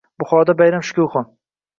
Buxoroda bayram shukuhi